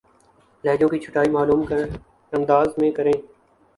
لہجوں کی چھٹائی معمول کے انداز میں کریں